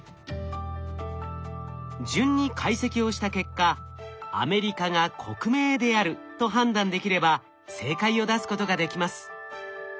順に解析をした結果「アメリカ」が国名であると判断できれば正解を出すことができます。